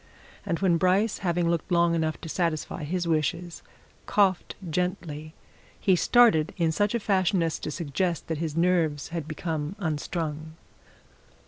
And when Bryce, having looked long enough to satisfy his wishes, coughed gently, he started in such a fashion as to suggest that his nerves had become unstrung.